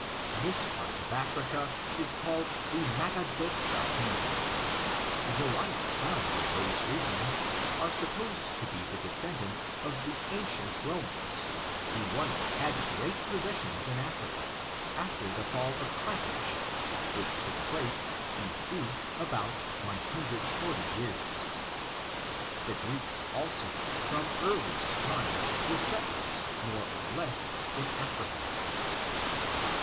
This part of Africa is called the Magadoxa kingdom. The whites found in those regions, are supposed to be the descendants of the ancient Rth mans, who once had great possessions in Africa, af ter the fall of Carthage, which took place B. G. about 140 years. The Greeks, also, from earliest timCi were settlers more or less in Africa.